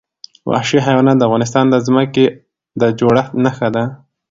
وحشي حیوانات د افغانستان د ځمکې د جوړښت نښه ده.